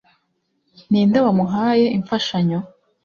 Ninde wamuhaye imfashanyo